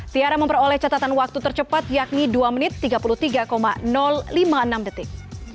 tiara memperoleh catatan waktu tercepat yakni dua menit tiga puluh tiga lima puluh enam detik